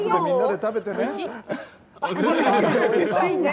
おいしいね。